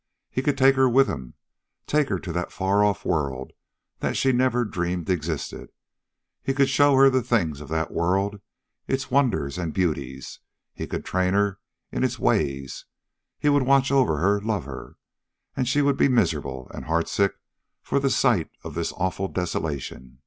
He could take her with him, take her to that far off world that she never dreamed existed. He could show her the things of that world, its wonders and beauties. He could train her in its ways. He would watch over her, love her.... And she would be miserable and heartsick for the sight of this awful desolation.